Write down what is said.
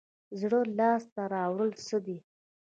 زړه لاس ته راوړل څه دي؟